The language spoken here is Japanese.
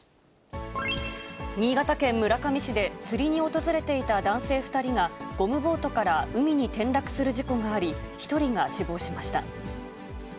新潟県村上市で、釣りに訪れていた男性２人が、ゴムボートから海に転落する事故があり、１人が死亡しました。